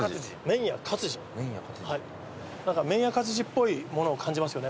麺や勝治っぽいものを感じますよね。